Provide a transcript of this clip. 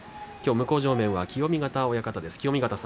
向正面は清見潟親方です。